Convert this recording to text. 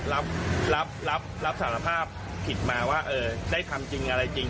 รับสารภาพผิดมาว่าได้ทำจริงอะไรจริง